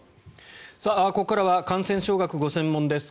ここからは感染症学がご専門です。